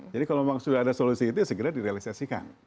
jadi kalau memang sudah ada solusi itu ya segera direalisasikan